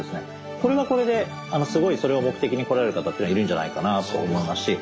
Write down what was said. これはこれですごいそれを目的に来られる方っていうのはいるんじゃないかなと思いますし。